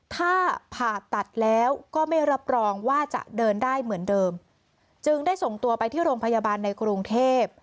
ถ้าผ่าตัดแล้วก็ไม่รับรองว่าจะเดินได้เหมือนเดิมจึงได้ส่งตัวไปที่โรงพยาบาลในกรุงเทพ